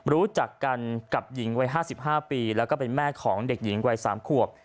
รู้จักกันกับหญิงวัย๕๕ปีแล้วก็เป็นแม่ของเด็กหญิงวัย๓ขวบ